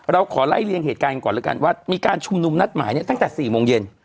เราขอไล่เรียงเหตุการณ์ก่อนแล้วกันว่ามีการชุมนุมนัดหมายเนี่ยตั้งแต่๔โมงเย็น